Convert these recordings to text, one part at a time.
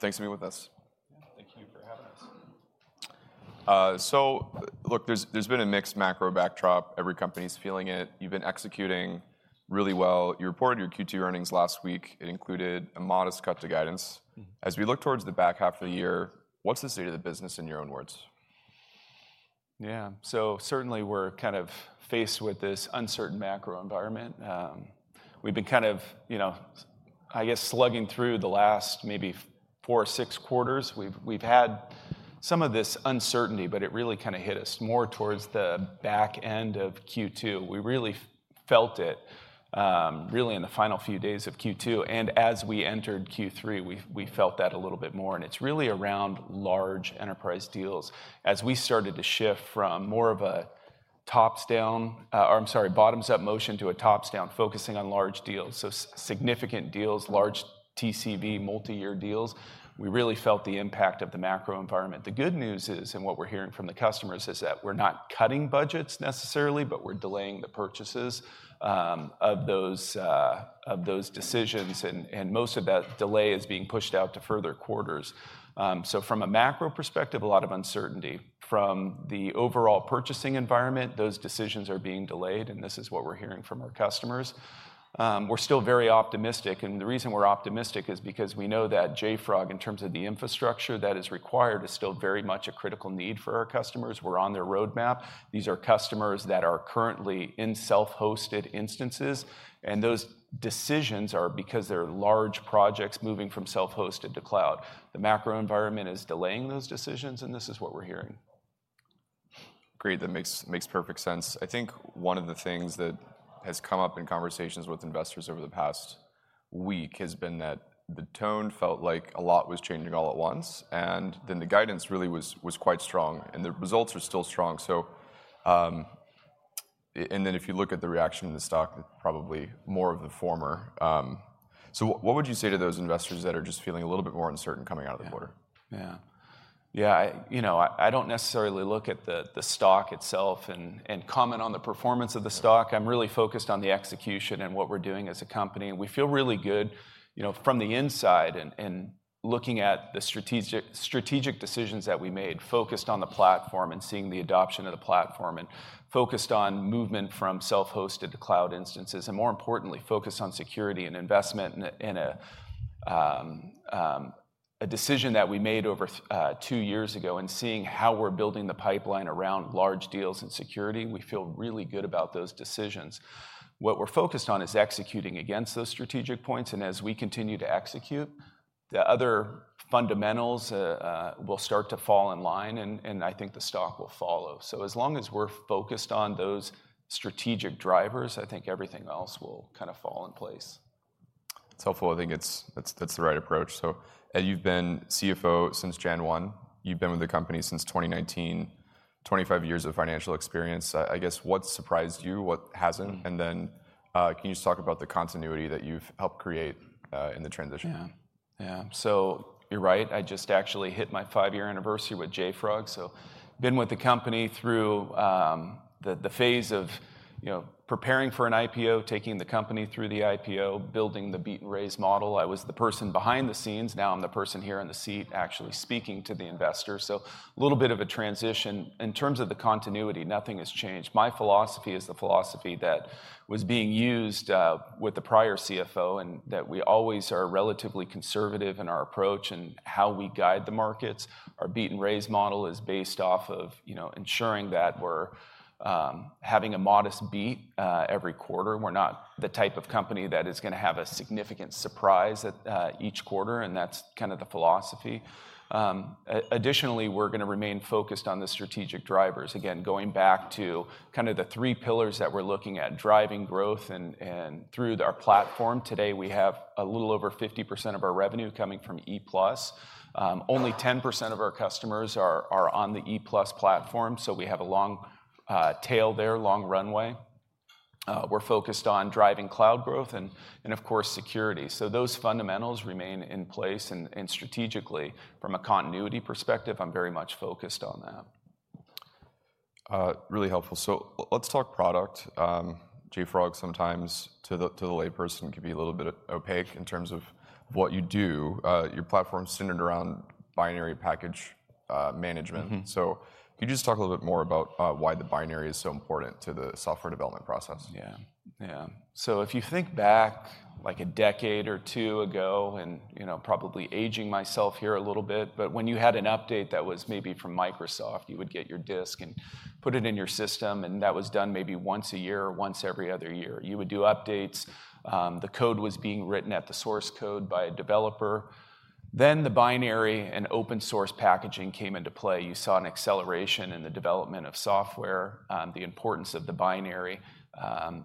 Thanks for being with us. Thank you for having us. So look, there's, there's been a mixed macro backdrop. Every company's feeling it. You've been executing really well. You reported your Q2 earnings last week. It included a modest cut to guidance. As we look towards the back half of the year, what's the state of the business in your own words? Yeah. So certainly, we're kind of faced with this uncertain macro environment. We've been kind of, you know, I guess, slugging through the last maybe 4 or 6 quarters. We've had some of this uncertainty, but it really kind of hit us more towards the back end of Q2. We really felt it really in the final few days of Q2, and as we entered Q3, we felt that a little bit more, and it's really around large Enterprise deals. As we started to shift from more of a bottoms-up motion to a top-down, focusing on large deals, so significant deals, large TCV, multi-year deals, we really felt the impact of the macro environment. The good news is, and what we're hearing from the customers, is that we're not cutting budgets necessarily, but we're delaying the purchases of those decisions, and most of that delay is being pushed out to further quarters. So from a macro perspective, a lot of uncertainty. From the overall purchasing environment, those decisions are being delayed, and this is what we're hearing from our customers. We're still very optimistic, and the reason we're optimistic is because we know that JFrog, in terms of the infrastructure that is required, is still very much a critical need for our customers. We're on their roadmap. These are customers that are currently in self-hosted instances, and those decisions are because they're large projects moving from self-hosted to cloud. The macro environment is delaying those decisions, and this is what we're hearing. Great. That makes perfect sense. I think one of the things that has come up in conversations with investors over the past week has been that the tone felt like a lot was changing all at once, and then the guidance really was quite strong, and the results are still strong. So, and then if you look at the reaction in the stock, probably more of the former. So what would you say to those investors that are just feeling a little bit more uncertain coming out of the quarter? Yeah, you know, I don't necessarily look at the stock itself and comment on the performance of the stock. I'm really focused on the execution and what we're doing as a company, and we feel really good, you know, from the inside and looking at the strategic decisions that we made, focused on the platform and seeing the adoption of the platform, and focused on movement from self-hosted to cloud instances, and more importantly, focused on security and investment in a decision that we made over two years ago and seeing how we're building the pipeline around large deals and security. We feel really good about those decisions. What we're focused on is executing against those strategic points, and as we continue to execute, the other fundamentals will start to fall in line, and I think the stock will follow. So as long as we're focused on those strategic drivers, I think everything else will kind of fall in place. It's helpful. I think it's, that's, that's the right approach. So, Ed, you've been CFO since January 1. You've been with the company since 2019, 25 years of financial experience. I guess what surprised you? What hasn't? Can you just talk about the continuity that you've helped create in the transition? Yeah. Yeah, so you're right. I just actually hit my five-year anniversary with JFrog, so been with the company through the phase of, you know, preparing for an IPO, taking the company through the IPO, building the beat and raise model. I was the person behind the scenes, now I'm the person here in the seat actually speaking to the investor. So a little bit of a transition. In terms of the continuity, nothing has changed. My philosophy is the philosophy that was being used with the prior CFO, and that we always are relatively conservative in our approach and how we guide the markets. Our beat and raise model is based off of, you know, ensuring that we're having a modest beat every quarter. We're not the type of company that is gonna have a significant surprise at each quarter, and that's kind of the philosophy. Additionally, we're gonna remain focused on the strategic drivers. Again, going back to kind of the three pillars that we're looking at, driving growth and through our platform. Today, we have a little over 50% of our revenue coming from E+. Only 10% of our customers are on the E+ platform, so we have a long tail there, long runway. We're focused on driving cloud growth and of course, security. So those fundamentals remain in place, and strategically, from a continuity perspective, I'm very much focused on that. Really helpful. So let's talk product. JFrog sometimes to the layperson, can be a little bit opaque in terms of what you do. Your platform is centered around binary package management. Can you just talk a little bit more about why the binary is so important to the software development process? Yeah. So if you think back, like a decade or two ago, and, you know, probably aging myself here a little bit, but when you had an update that was maybe from Microsoft, you would get your disk and put it in your system, and that was done maybe once a year or once every other year. You would do updates, the code was being written at the source code by a developer, then the binary and open source packaging came into play. You saw an acceleration in the development of software, the importance of the binary.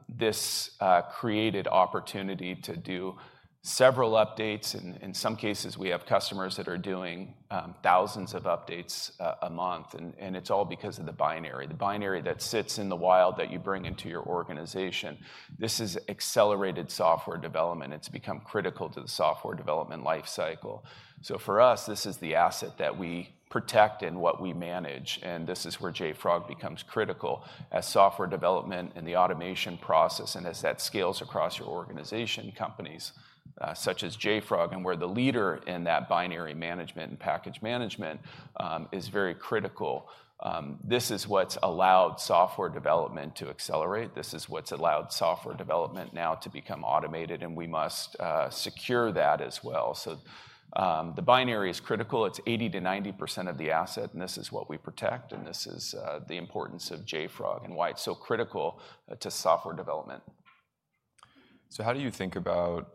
This created opportunity to do several updates. In some cases, we have customers that are doing thousands of updates a month, and it's all because of the binary. The binary that sits in the wild that you bring into your organization. This is accelerated software development. It's become critical to the software development life cycle. So for us, this is the asset that we protect and what we manage, and this is where JFrog becomes critical as software development and the automation process, and as that scales across your organization, companies such as JFrog, and we're the leader in that binary management and package management is very critical. This is what's allowed software development to accelerate. This is what's allowed software development now to become automated, and we must secure that as well. So, the binary is critical. It's 80%-90% of the asset, and this is what we protect, and this is the importance of JFrog and why it's so critical to software development. So how do you think about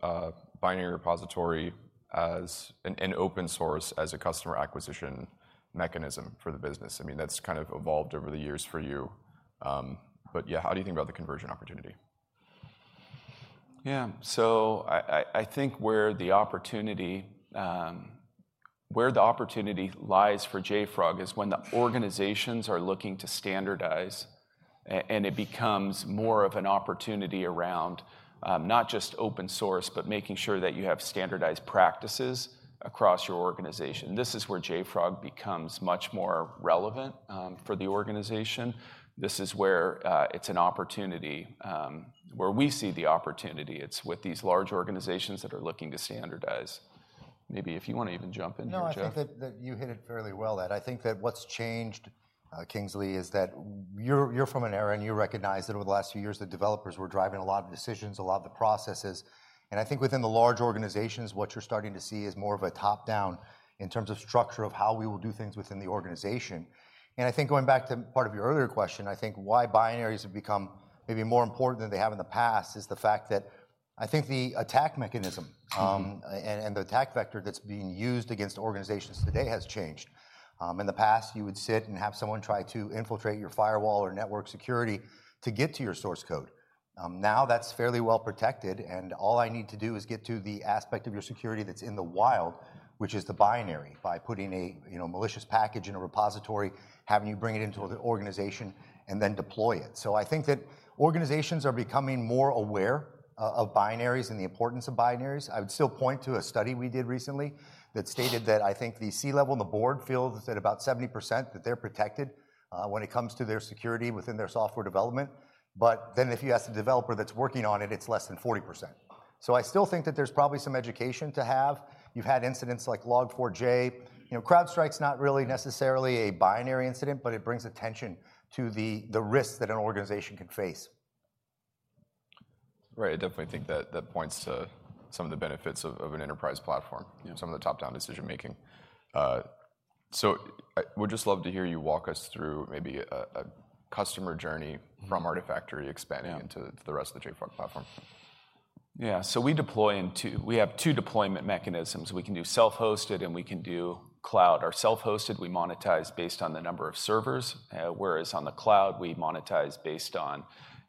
binary repository as an open source as a customer acquisition mechanism for the business? I mean, that's kind of evolved over the years for you. But yeah, how do you think about the conversion opportunity? Yeah. So I think where the opportunity lies for JFrog is when the organizations are looking to standardize, and it becomes more of an opportunity around, not just open source, but making sure that you have standardized practices across your organization. This is where JFrog becomes much more relevant for the organization. This is where it's an opportunity where we see the opportunity. It's with these large organizations that are looking to standardize. Maybe if you wanna even jump in here, Jeff. No, I think that, that you hit it fairly well, Ed. I think that what's changed, Kingsley, is that you're from an era, and you recognize that over the last few years, the developers were driving a lot of decisions, a lot of the processes. And I think within the large organizations, what you're starting to see is more of a top-down in terms of structure of how we will do things within the organization. And I think going back to part of your earlier question, I think why binaries have become maybe more important than they have in the past, is the fact that I think the attack mechanism. The attack vector that's being used against organizations today has changed. In the past, you would sit and have someone try to infiltrate your firewall or network security to get to your source code. Now that's fairly well protected, and all I need to do is get to the aspect of your security that's in the wild, which is the binary, by putting you know, malicious package in a repository, having you bring it into the organization, and then deploy it. So I think that organizations are becoming more aware of binaries and the importance of binaries. I would still point to a study we did recently that stated that I think the C-level and the board feels that about 70%, that they're protected, when it comes to their security within their software development. But then if you ask the developer that's working on it, it's less than 40%. So I still think that there's probably some education to have. You've had incidents like Log4j. You know, CrowdStrike's not really necessarily a binary incident, but it brings attention to the, the risks that an organization can face. Right. I definitely think that, that points to some of the benefits of, of an Enterprise platform, some of the top-down decision making. So I would just love to hear you walk us through maybe a customer journey from Artifactory expanding into the rest of the JFrog Platform. Yeah. So we have two deployment mechanisms. We can do self-hosted, and we can do cloud. Our self-hosted, we monetize based on the number of servers, whereas on the cloud, we monetize based on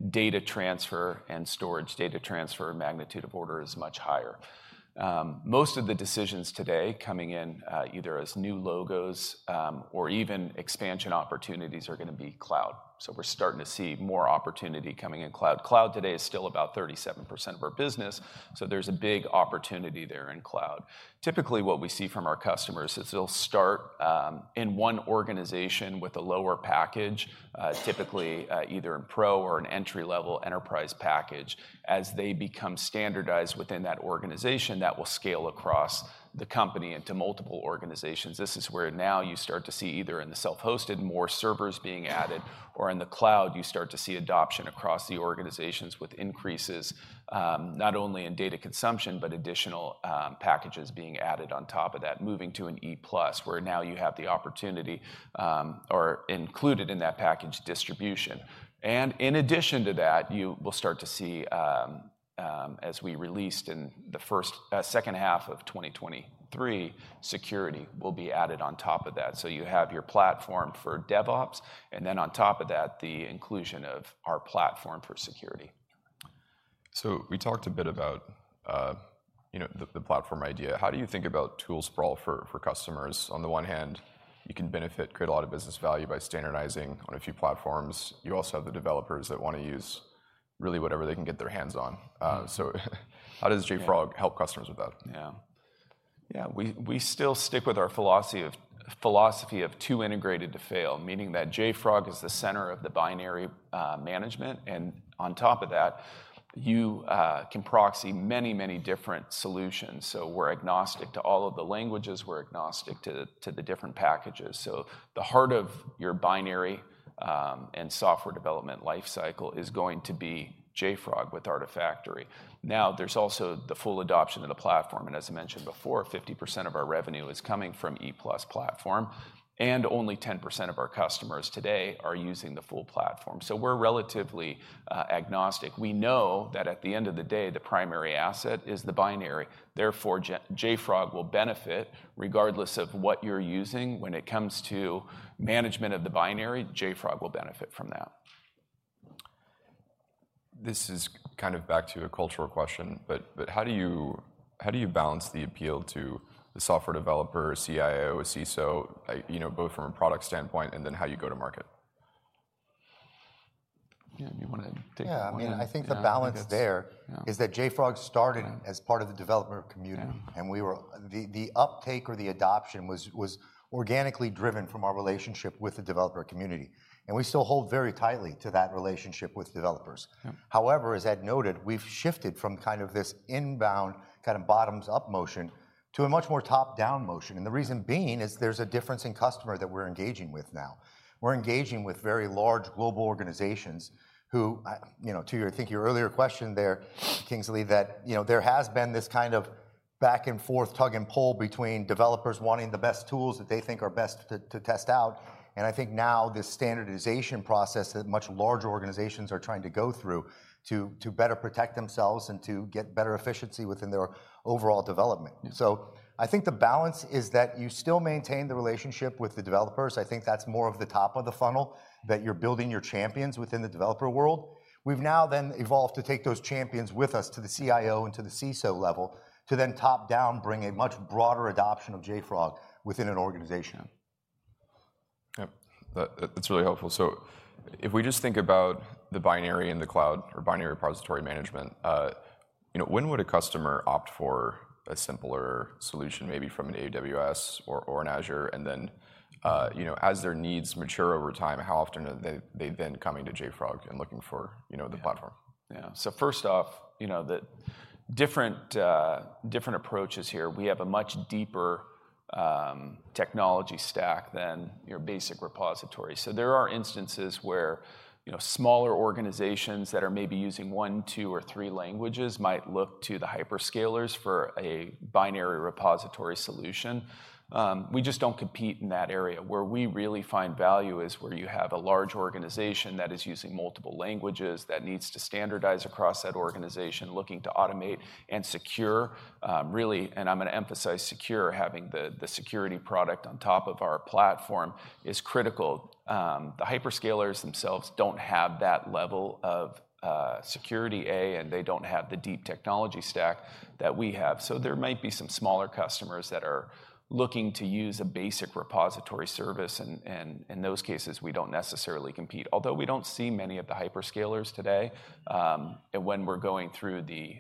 data transfer and storage. Data transfer magnitude of order is much higher. Most of the decisions today coming in, either as new logos, or even expansion opportunities are gonna be cloud. So we're starting to see more opportunity coming in cloud. Cloud today is still about 37% of our business, so there's a big opportunity there in cloud. Typically, what we see from our customers is they'll start, in one organization with a lower package, typically, either in Pro or an entry-level Enterprise package. As they become standardized within that organization, that will scale across the company into multiple organizations. This is where now you start to see, either in the self-hosted, more servers being added, or in the cloud, you start to see adoption across the organizations, with increases, not only in data consumption, but additional, packages being added on top of that, moving to an E+, where now you have the opportunity, or included in that package, distribution. And in addition to that, you will start to see, as we released in the second half of 2023, security will be added on top of that. So you have your platform for DevOps, and then on top of that, the inclusion of our platform for security. So we talked a bit about you know the platform idea. How do you think about tool sprawl for customers? On the one hand, you can benefit, create a lot of business value by standardizing on a few platforms. You also have the developers that wanna use really whatever they can get their hands on. How does JFrog help customers with that? Yeah. Yeah, we still stick with our philosophy of too integrated to fail, meaning that JFrog is the center of the binary management, and on top of that, you can proxy many, many different solutions. So we're agnostic to all of the languages, we're agnostic to the different packages. So the heart of your binary and software development life cycle is going to be JFrog with Artifactory. Now, there's also the full adoption of the platform, and as I mentioned before, 50% of our revenue is coming from E+ platform, and only 10% of our customers today are using the full platform. So we're relatively agnostic. We know that at the end of the day, the primary asset is the binary. Therefore, JFrog will benefit regardless of what you're using. When it comes to management of the binary, JFrog will benefit from that. This is kind of back to a cultural question, but, but how do you, how do you balance the appeal to the software developer, CIO, CISO, you know, both from a product standpoint and then how you go to market? Yeah, you wanna take that one? Yeah. I mean, I think the balance there is that JFrog started as part of the developer community. The uptake or the adoption was organically driven from our relationship with the developer community, and we still hold very tightly to that relationship with developers. However, as Ed noted, we've shifted from kind of this inbound, kind of bottoms-up motion to a much more top-down motion. And the reason being is there's a difference in customer that we're engaging with now. We're engaging with very large global organizations who, you know, to your, I think your earlier question there, Kingsley, that, you know, there has been this kind of back and forth, tug and pull between developers wanting the best tools that they think are best to, to test out. And I think now this standardization process that much larger organizations are trying to go through to better protect themselves and to get better efficiency within their overall development. So I think the balance is that you still maintain the relationship with the developers. I think that's more of the top of the funnel, that you're building your champions within the developer world. We've now then evolved to take those champions with us to the CIO and to the CISO level, to then top down, bring a much broader adoption of JFrog within an organization. Yep, that, that's really helpful. So if we just think about the binary and the cloud or binary repository management, you know, when would a customer opt for a simpler solution, maybe from an AWS or an Azure? And then, you know, as their needs mature over time, how often are they then coming to JFrog and looking for, you know, the platform? Yeah. So first off, you know, the different approaches here, we have a much deeper technology stack than your basic repository. So there are instances where, you know, smaller organizations that are maybe using one, two, or three languages might look to the hyperscalers for a binary repository solution. We just don't compete in that area. Where we really find value is where you have a large organization that is using multiple languages, that needs to standardize across that organization, looking to automate and secure. Really, and I'm gonna emphasize secure, having the security product on top of our platform is critical. The hyperscalers themselves don't have that level of security, and they don't have the deep technology stack that we have. So there might be some smaller customers that are looking to use a basic repository service, and in those cases, we don't necessarily compete. Although we don't see many of the hyperscalers today, and when we're going through the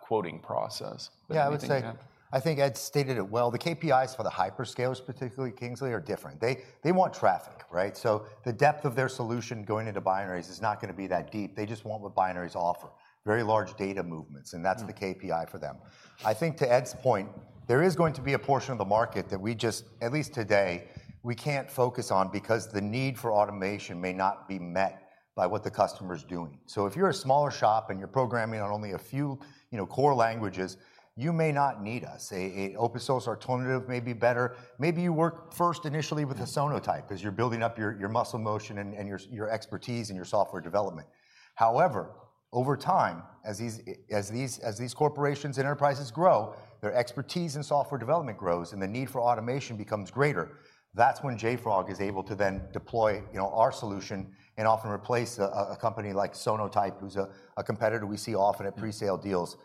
quoting process. Yeah, I would say, I think Ed stated it well. The KPIs for the hyperscalers, particularly, Kingsley, are different. They, they want traffic, right? So the depth of their solution going into binaries is not gonna be that deep. They just want what binaries offer: very large data movements, and that's the KPI for them. I think to Ed's point, there is going to be a portion of the market that we just, at least today, we can't focus on because the need for automation may not be met by what the customer's doing. So if you're a smaller shop and you're programming on only a few, you know, core languages, you may not need us. An open source alternative may be better. Maybe you work first initially with a Sonatype as you're building up your muscle motion and your expertise and your software development. However, over time, as these corporations and Enterprises grow, their expertise in software development grows, and the need for automation becomes greater. That's when JFrog is able to then deploy, you know, our solution and often replace a company like Sonatype, who's a competitor we see often at presale deals,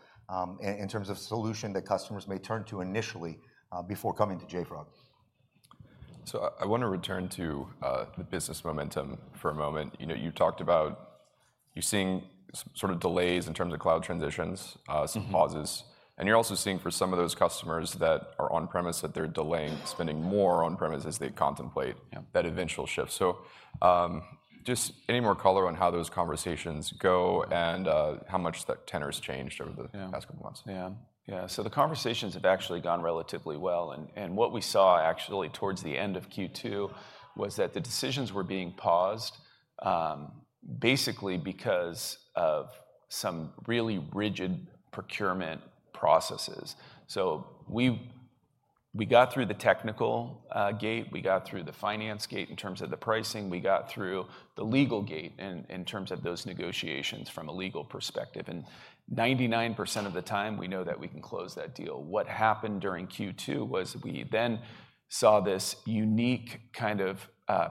in terms of solution that customers may turn to initially, before coming to JFrog. So I want to return to the business momentum for a moment. You know, you talked about you're seeing sort of delays in terms of cloud transitions some pauses, and you're also seeing for some of those customers that are on-premise, that they're delaying spending more on-premise as they contemplate that eventual shift. So, just any more color on how those conversations go and, how much that tenor has changed over the past couple months? Yeah. Yeah, so the conversations have actually gone relatively well, and what we saw actually towards the end of Q2 was that the decisions were being paused, basically because of some really rigid procurement processes. So we got through the technical gate, we got through the finance gate in terms of the pricing, we got through the legal gate in terms of those negotiations from a legal perspective, and 99% of the time, we know that we can close that deal. What happened during Q2 was we then saw this unique kind of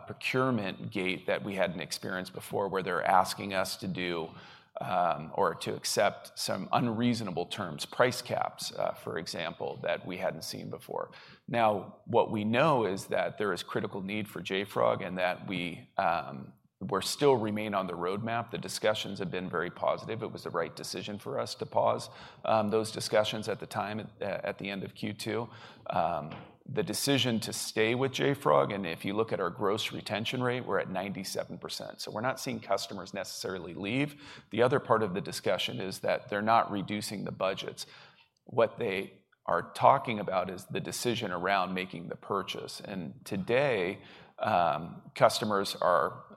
procurement gate that we hadn't experienced before, where they're asking us to do or to accept some unreasonable terms, price caps, for example, that we hadn't seen before. Now, what we know is that there is critical need for JFrog, and that we, we're still remain on the roadmap. The discussions have been very positive. It was the right decision for us to pause those discussions at the time, at the end of Q2. The decision to stay with JFrog, and if you look at our gross retention rate, we're at 97%, so we're not seeing customers necessarily leave. The other part of the discussion is that they're not reducing the budgets. What they are talking about is the decision around making the purchase, and today,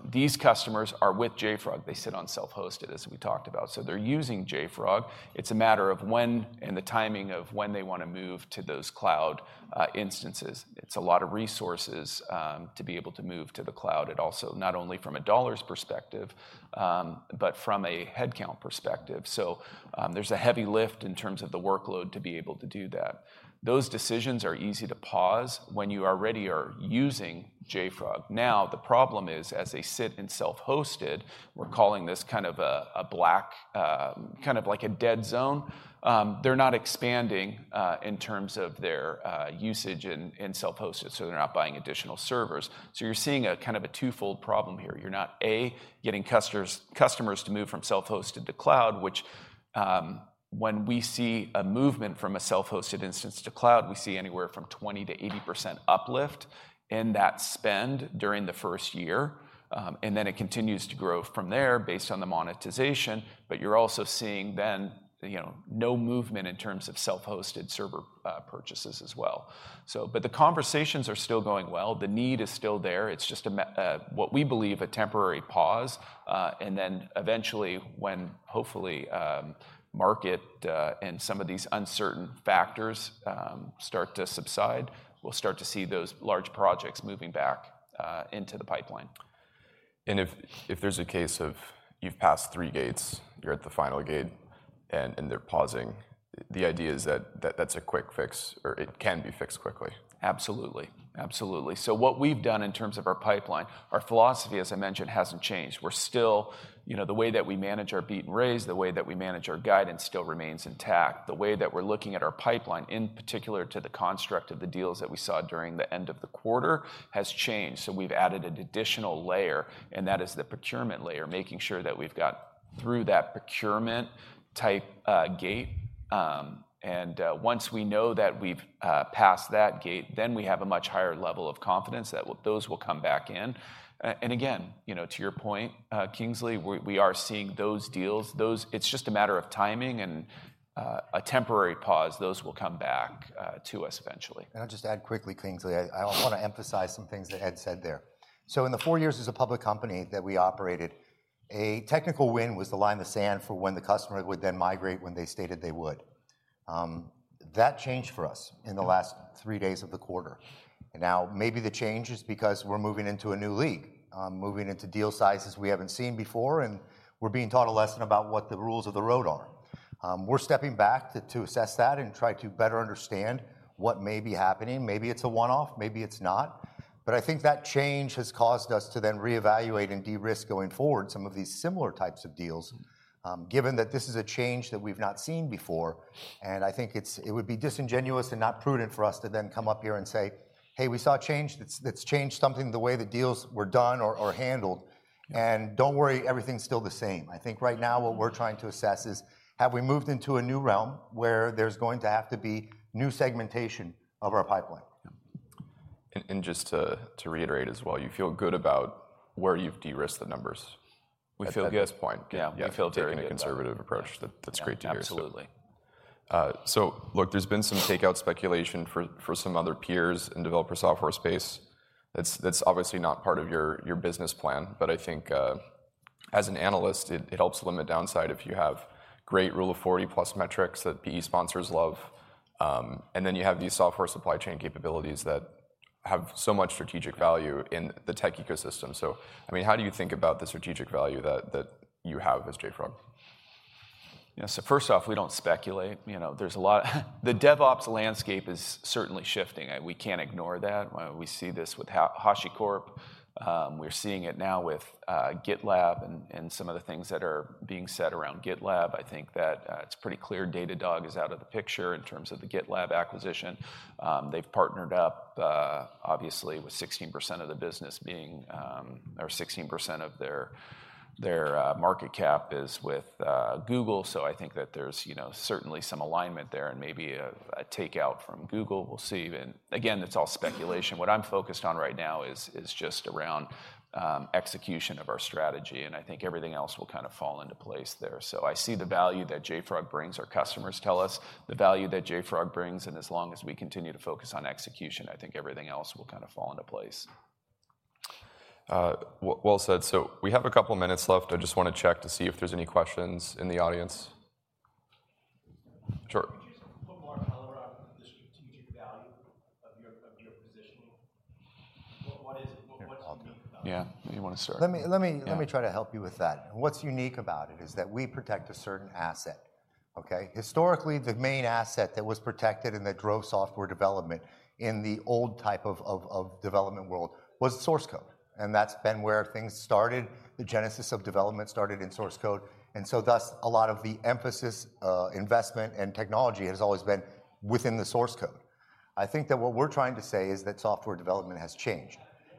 these customers are with JFrog. They sit on self-hosted, as we talked about, so they're using JFrog. It's a matter of when and the timing of when they wanna move to those cloud instances. It's a lot of resources to be able to move to the cloud, and also not only from a dollars perspective, but from a headcount perspective. So, there's a heavy lift in terms of the workload to be able to do that. Those decisions are easy to pause when you already are using JFrog. Now, the problem is, as they sit in self-hosted, we're calling this kind of a black kind of like a dead zone, they're not expanding in terms of their usage in self-hosted, so they're not buying additional servers. So you're seeing a kind of a twofold problem here. You're not getting customers to move from self-hosted to cloud, which, when we see a movement from a self-hosted instance to cloud, we see anywhere from 20%-80% uplift in that spend during the first year, and then it continues to grow from there based on the monetization. But you're also seeing then, you know, no movement in terms of self-hosted server purchases as well. But the conversations are still going well. The need is still there. It's just, what we believe, a temporary pause, and then eventually when hopefully, market and some of these uncertain factors start to subside, we'll start to see those large projects moving back into the pipeline. If there's a case of you've passed three gates, you're at the final gate, and they're pausing, the idea is that, that that's a quick fix or it can be fixed quickly? Absolutely. Absolutely. So what we've done in terms of our pipeline, our philosophy, as I mentioned, hasn't changed. We're still, you know, the way that we manage our beat and raise, the way that we manage our guidance still remains intact. The way that we're looking at our pipeline, in particular to the construct of the deals that we saw during the end of the quarter, has changed. So we've added an additional layer, and that is the procurement layer, making sure that we've got through that procurement type gate. And once we know that we've passed that gate, then we have a much higher level of confidence that those will come back in. And again, you know, to your point, Kingsley, we are seeing those deals, it's just a matter of timing and a temporary pause those will come back to us eventually. I'll just add quickly, Kingsley. I wanna emphasize some things that Ed said there. So in the four years as a public company that we operated, a technical win was the line in the sand for when the customer would then migrate when they stated they would. That changed for us in the last three days of the quarter. And now, maybe the change is because we're moving into a new league, moving into deal sizes we haven't seen before, and we're being taught a lesson about what the rules of the road are. We're stepping back to assess that and try to better understand what may be happening. Maybe it's a one-off, maybe it's not, but I think that change has caused us to then reevaluate and de-risk going forward some of these similar types of deals, given that this is a change that we've not seen before, and I think it would be disingenuous and not prudent for us to then come up here and say, "Hey, we saw a change that's changed something the way the deals were done or handled. And don't worry, everything's still the same." I think right now, what we're trying to assess is: Have we moved into a new realm where there's going to have to be new segmentation of our pipeline? Yeah. And just to reiterate as well, you feel good about where you've de-risked the numbers at this point? Yeah, we feel very good about it. Taking a conservative approach, that's great to hear. Absolutely. So look, there's been some takeout speculation for some other peers in developer software space. That's obviously not part of your business plan, but I think, as an analyst, it helps limit downside if you have great Rule of 40 plus metrics that PE sponsors love, and then you have these software supply chain capabilities that have so much strategic value in the tech ecosystem. So, I mean, how do you think about the strategic value that you have as JFrog? Yeah, so first off, we don't speculate. You know, there's a lot, the DevOps landscape is certainly shifting, and we can't ignore that. We see this with HashiCorp. We're seeing it now with GitLab and some of the things that are being said around GitLab. I think that it's pretty clear Datadog is out of the picture in terms of the GitLab acquisition. They've partnered up, obviously, with 16% of the business being or 16% of their market cap is with Google, so I think that there's, you know, certainly some alignment there and maybe a takeout from Google. We'll see. Then again, it's all speculation. What I'm focused on right now is just around execution of our strategy, and I think everything else will kind of fall into place there. So I see the value that JFrog brings. Our customers tell us the value that JFrog brings, and as long as we continue to focus on execution, I think everything else will kind of fall into place. Well said. So we have a couple of minutes left. I just wanna check to see if there's any questions in the audience? Sure. Can you just put more color on the strategic value of your, of your positioning? What, what is it? Yeah. You wanna start? Let me try to help you with that. What's unique about it is that we protect a certain asset, okay? Historically, the main asset that was protected and that drove software development in the old type of development world was source code, and that's been where things started. The genesis of development started in source code, and so thus, a lot of the emphasis, investment, and technology has always been within the source code. I think that what we're trying to say is that software development has changed,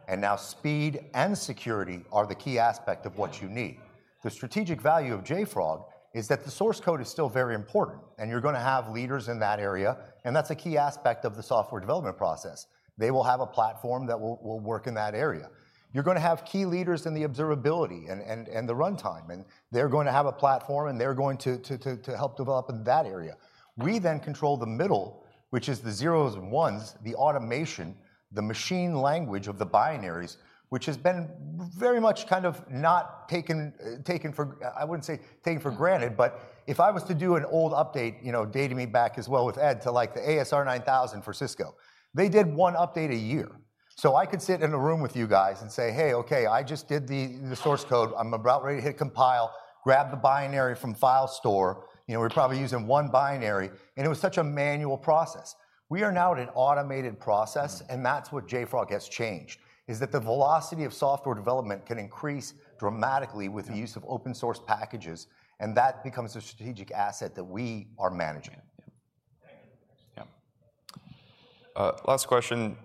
and now speed and security are the key aspect of what you need. The strategic value of JFrog is that the source code is still very important, and you're gonna have leaders in that area, and that's a key aspect of the software development process. They will have a platform that will work in that area. You're gonna have key leaders in the observability and the runtime, and they're going to have a platform, and they're going to help develop in that area. We then control the middle, which is the zeros and ones, the automation, the machine language of the binaries, which has been very much kind of not taken, I wouldn't say taken for granted, but if I was to do an old update, you know, dating me back as well with Ed, to, like, the ASR 9000 for Cisco, they did one update a year. So I could sit in a room with you guys and say: Hey, okay, I just did the source code. I'm about ready to hit compile, grab the binary from file store. You know, we're probably using one binary, and it was such a manual process. We are now at an automated process, and that's what JFrog has changed, is that the velocity of software development can increase dramatically with the use of open-source packages, and that becomes a strategic asset that we are managing. Yeah. Last question.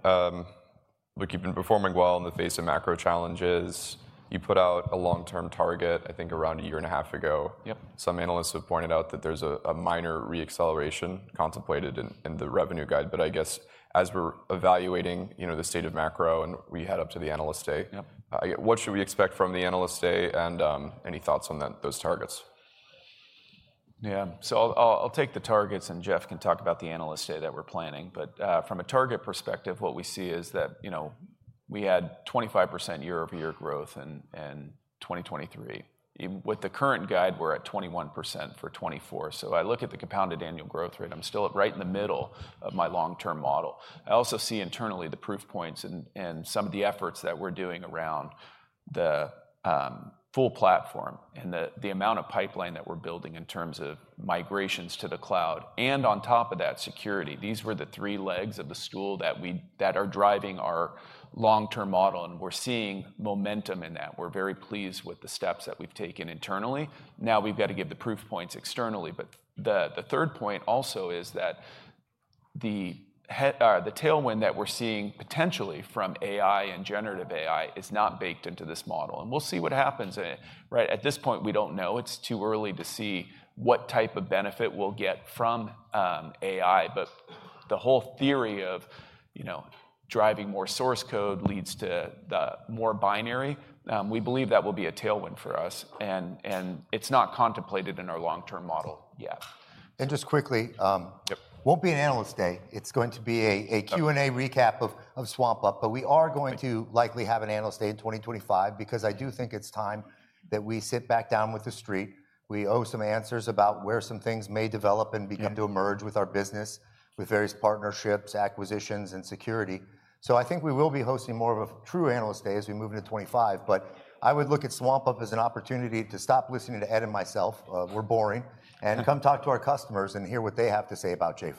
Look, you've been performing well in the face of macro challenges. You put out a long-term target, I think, around a year and a half ago. Some analysts have pointed out that there's a minor re-acceleration contemplated in the revenue guide, but I guess as we're evaluating, you know, the state of macro, and we head up to the Analyst Day, what should we expect from the Analyst Day, and, any thoughts on that, those targets? Yeah. So I'll take the targets, and Jeff can talk about the Analyst Day that we're planning. But from a target perspective, what we see is that, you know, we had 25% year-over-year growth in 2023. With the current guide, we're at 21% for 2024. So I look at the compounded annual growth rate, I'm still right in the middle of my long-term model. I also see internally the proof points and some of the efforts that we're doing around the full platform and the amount of pipeline that we're building in terms of migrations to the cloud and, on top of that, security. These were the three legs of the stool that are driving our long-term model, and we're seeing momentum in that. We're very pleased with the steps that we've taken internally. Now, we've got to give the proof points externally. But the third point also is that the tailwind that we're seeing potentially from AI and generative AI is not baked into this model, and we'll see what happens, right? At this point, we don't know. It's too early to see what type of benefit we'll get from AI, but the whole theory of, you know, driving more source code leads to the more binary, we believe that will be a tailwind for us, and it's not contemplated in our long-term model yet. Just quickly, won't be an Analyst Day. It's going to be a Q&A recap of SwampUP, but we are going to likely have an Analyst Day in 2025 because I do think it's time that we sit back down with the Street. We owe some answers about where some things may develop and begin to emerge with our business, with various partnerships, acquisitions, and security. So I think we will be hosting more of a true Analyst Day as we move into 2025, but I would look at SwampUP as an opportunity to stop listening to Ed and myself, we're boring, and come talk to our customers and hear what they have to say about JFrog.